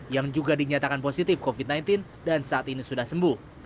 yang juga dinyatakan positif covid sembilan belas dan saat ini sudah sembuh